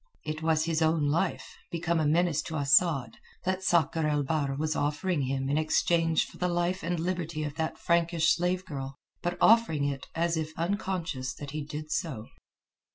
It was his own life, become a menace to Asad, that Sakr el Bahr was offering him in exchange for the life and liberty of that Frankish slave girl, but offering it as if unconscious that he did so.